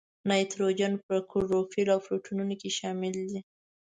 نایتروجن په کلوروفیل او پروټینونو کې شامل دی.